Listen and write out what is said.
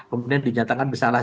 kemudian dinyatakan bersalah